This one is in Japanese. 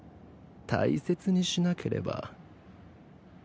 大切にしなければ。